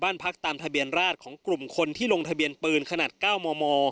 บ้านพักตามทะเบียนราชของกลุ่มคนที่ลงทะเบียนปืนขนาด๙มม